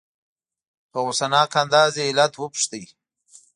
په غصناک انداز یې علت وپوښته.